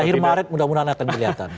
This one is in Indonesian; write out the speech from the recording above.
akhir maret mudah mudahan akan kelihatan